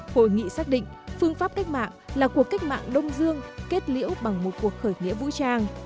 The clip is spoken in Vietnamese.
hội nghị xác định phương pháp cách mạng là cuộc cách mạng đông dương kết liễu bằng một cuộc khởi nghĩa vũ trang